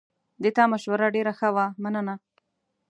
د تا مشوره ډېره ښه وه، مننه